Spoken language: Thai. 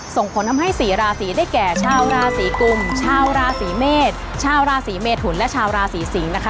ส่งผลทำให้สี่ราศีได้แก่ชาวราศีกุมชาวราศีเมษชาวราศีเมทุนและชาวราศีสิงศ์นะคะ